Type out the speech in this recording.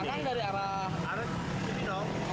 akan dari arah semino